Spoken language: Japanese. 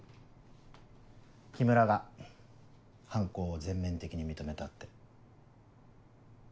木村が犯行を全面的に認めたって。